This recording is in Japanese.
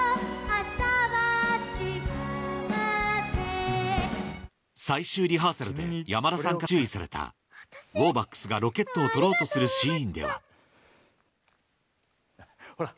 明日は幸せ最終リハーサルで山田さんから注意されたウォーバックスがロケットを取ろうとするシーンではほら